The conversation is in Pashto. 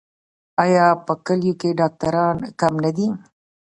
آیا په کلیو کې ډاکټران کم نه دي؟